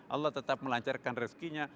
allah tetap melancarkan rezkinya